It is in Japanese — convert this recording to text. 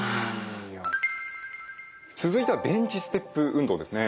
続いてはベンチステップ運動ですね。